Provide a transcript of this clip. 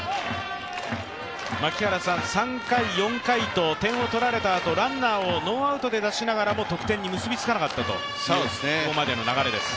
槙原さん、３回、４回と点を取られたあとランナーをノーアウトで出しながらも得点に結びつかなかったというこれまでの流れです。